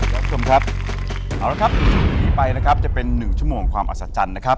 คุณผู้ชมครับเอาละครับหนีไปนะครับจะเป็น๑ชั่วโมงความอัศจรรย์นะครับ